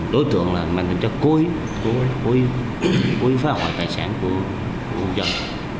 đối tượng là mang tính chất cối cối phá hoại tài sản của hôn dân